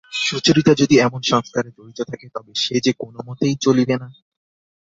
সুচরিতা যদি এমন সংস্কারে জড়িত থাকে তবে সে যে কোনোমতেই চলিবে না।